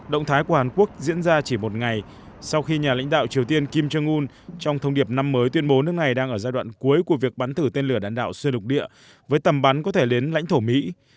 động thái của hàn quốc diễn ra chỉ một ngày sau khi nhà lãnh đạo triều tiên kim jong un trong thông điệp năm mới tuyên bố nước này đang ở giai đoạn cuối của việc bắn thử tên lửa đạn đạo xuyên lục địa với tầm bắn có thể đến lãnh thổ mỹ